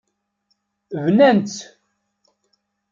Bnant-tt.